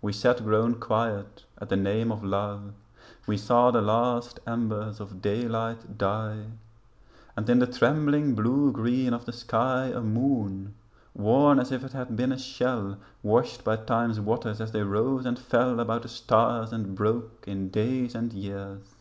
We sat grown quiet at the name of love. We saw the last embers of daylight die And in the trembling blue green of the sky A moon, worn as if it had been a shell Washed by time's waters as they rose and fell About the stars and broke in days and years.